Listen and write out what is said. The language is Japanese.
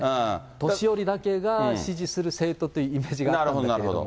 年寄りだけが支持する政党というイメージがあったんだけれども。